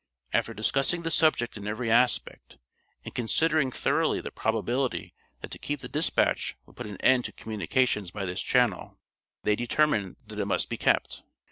After discussing the subject in every aspect, and considering thoroughly the probability that to keep the dispatch would put an end to communications by this channel, they determined that it must be kept.